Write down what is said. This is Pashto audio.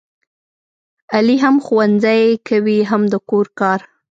علي هم ښوونځی کوي هم د کور کار.